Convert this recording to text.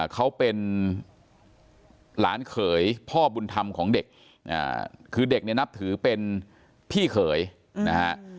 เขาเป็นหลานเขยพ่อบุญธรรมของเด็กคือเด็กเนี่ยนับถือเป็นพี่เขยนะฮะ